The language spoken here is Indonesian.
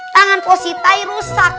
tangan posi tai rusak